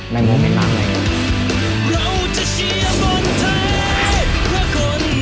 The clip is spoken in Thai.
ในโมเมนต์มากเลย